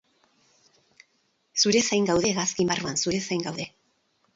Zure zain gaude hegazkin barruan, zure zain gaude.